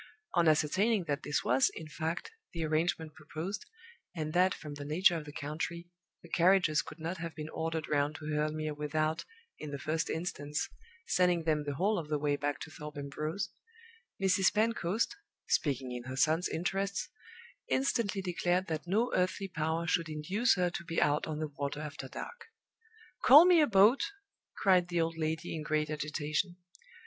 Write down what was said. On ascertaining that this was, in fact, the arrangement proposed, and that, from the nature of the country, the carriages could not have been ordered round to Hurle Mere without, in the first instance, sending them the whole of the way back to Thorpe Ambrose, Mrs. Pentecost (speaking in her son's interests) instantly declared that no earthly power should induce her to be out on the water after dark. "Call me a boat!" cried the old lady, in great agitation.